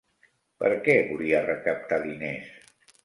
Per què volia recaptar diners?